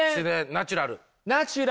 ナチュラルな。